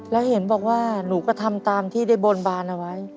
แล้วเห็นบอกว่าหนูก็ทำตามที่ได้บนบานเอาไว้